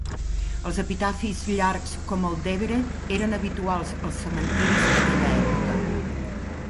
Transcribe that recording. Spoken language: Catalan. Els epitafis llargs com el d"Everett eren habituals als cementeris en aquella època.